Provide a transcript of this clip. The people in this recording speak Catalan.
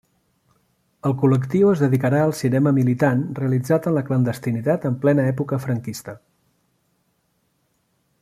El col·lectiu es dedicarà al cinema militant realitzat en la clandestinitat en plena època franquista.